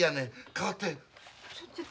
代わって。